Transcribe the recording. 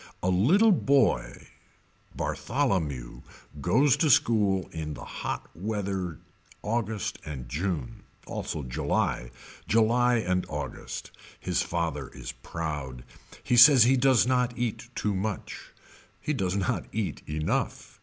A little boy Bartholomew goes to school in the hot weather August and June. Also July. July and August. His father is proud. He says he does not eat too much. He does not eat enough.